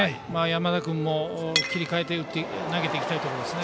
山田君も切り替えて投げていきたいところですね。